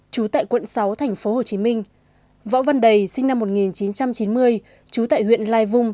chú tại quận sáu tp hồ chí minh võ văn đầy sinh năm một nghìn chín trăm chín mươi chú tại huyện lai vung